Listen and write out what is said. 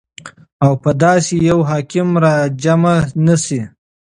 او په داسي يو حاكم راجمع نسي